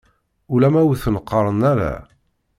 Ulamma ur ten-qqaren ara.